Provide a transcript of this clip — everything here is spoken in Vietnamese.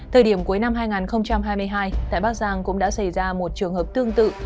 thời điểm cuối năm hai nghìn hai mươi hai tại bắc giang cũng đã xảy ra một trường hợp tương tự